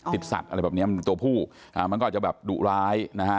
สัตว์อะไรแบบเนี้ยมันเป็นตัวผู้อ่ามันก็อาจจะแบบดุร้ายนะฮะ